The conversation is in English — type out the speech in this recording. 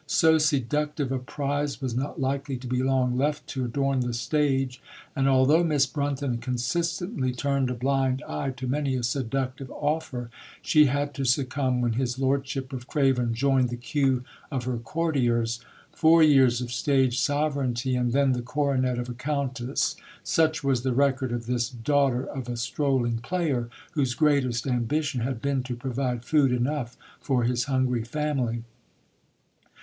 So seductive a prize was not likely to be long left to adorn the stage; and although Miss Brunton consistently turned a blind eye to many a seductive offer, she had to succumb when his Lordship of Craven joined the queue of her courtiers. Four years of stage sovereignty and then the coronet of a Countess; such was the record of this daughter of a strolling player, whose greatest ambition had been to provide food enough for his hungry family.